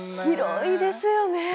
広いですよね。